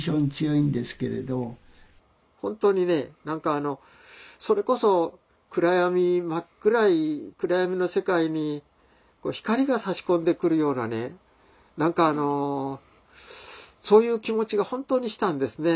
本当にねなんかあのそれこそ暗闇真っ暗い暗闇の世界にこう光がさし込んでくるようなねなんかそういう気持ちが本当にしたんですね。